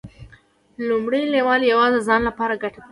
لومړی لیول یوازې د ځان لپاره ګټه ده.